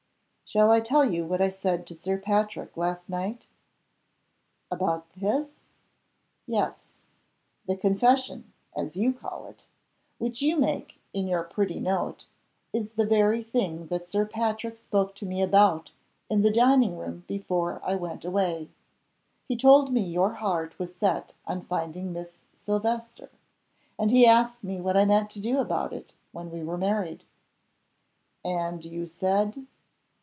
"Shall I tell you what I said to Sir Patrick last night?" "About this?" "Yes. The confession (as you call it) which you make in your pretty note, is the very thing that Sir Patrick spoke to me about in the dining room before I went away. He told me your heart was set on finding Miss Silvester. And he asked me what I meant to do about it when we were married." "And you said